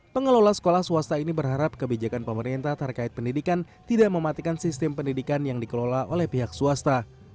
pengelola sekolah swasta ini berharap kebijakan pemerintah terkait pendidikan tidak mematikan sistem pendidikan yang dikelola oleh pihak swasta